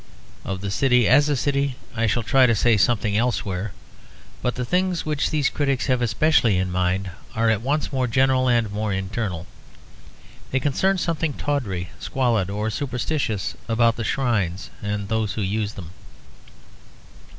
Of the city as a city I shall try to say something elsewhere; but the things which these critics have especially in mind are at once more general and more internal. They concern something tawdry, squalid or superstitious about the shrines and those who use them.